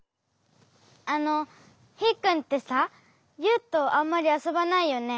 あのヒーくんってさユウとあんまりあそばないよね？